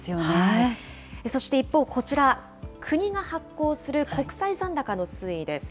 そして一方、こちら、国が発行する国債残高の推移です。